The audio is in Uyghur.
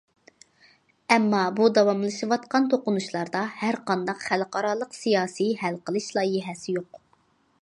ئەمما بۇ داۋاملىشىۋاتقان توقۇنۇشلاردا ھەرقانداق خەلقئارالىق سىياسىي ھەل قىلىش لايىھەسى يوق.